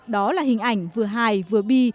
đó là hình ảnh vừa hài vừa bi